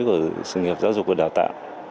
của sự nghiệp giáo dục và đào tạo